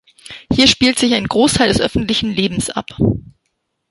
Hier spielt sich ein Großteil des öffentlichen Lebens ab.